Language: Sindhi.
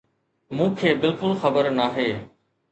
مون کي بلڪل خبر ناهي